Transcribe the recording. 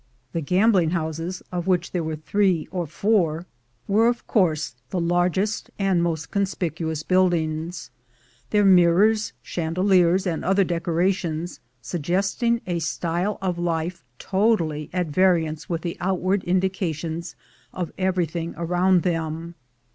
The gambling houses, of which there were three or 118 THE GOLD HUNTERS four, were of course the largest and most conspicuous buildings; their mirrors, chandeliers, and other decora tions, suggesting a style of life totally at variance with the outward indications of everything around them.